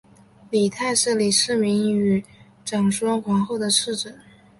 李泰是李世民与长孙皇后的次子。